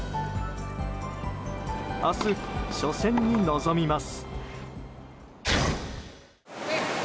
明日、初戦に臨みます。